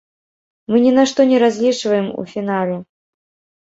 Мы ні на што не разлічваем у фінале.